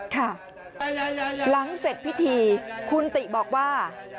ค่ะหลังเสร็จพิธีคุณติบอกว่า